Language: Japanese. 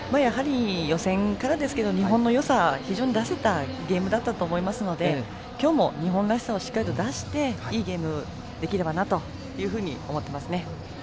予選からですけど日本のよさを非常に出せたゲームだと思いますので今日も日本らしさをしっかり出して、いいゲームできればいいなと思っていますね。